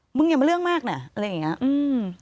มึงอย่ามาเรื่องแม่งเนี่ยอะไรอย่างงี้